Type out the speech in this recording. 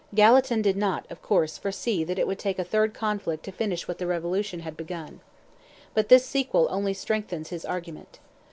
Gallatin did not, of course, foresee that it would take a third conflict to finish what the Revolution had begun. But this sequel only strengthens his argument.